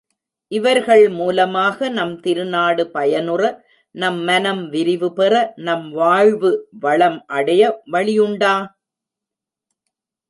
இவர்கள் மூலமாக, நம் திருநாடு பயனுற, நம் மனம் விரிவுபெற, நம் வாழ்வு வளம் அடைய வழி உண்டா?